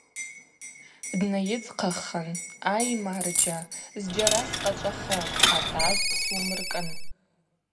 Днайыдзхъаххын – Ай марджьа, зджьара скъачӏвахы, атажв слумыркӏын.